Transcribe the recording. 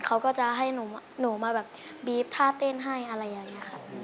เขาก็จะให้หนูมาแบบบีฟท่าเต้นให้อะไรอย่างนี้ค่ะ